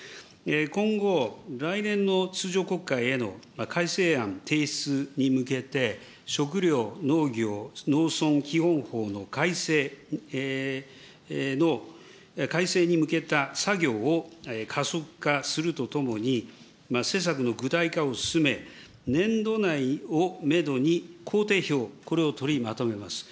今後、来年の通常国会への改正案提出に向けて、食料・農業・農村基本法の改正の、改正に向けた作業を加速化するとともに、施策の具体化を進め、年度内をメドに、工程表、これを取りまとめます。